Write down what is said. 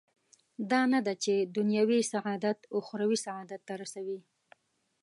دا نه ده چې دنیوي سعادت اخروي سعادت ته رسوي.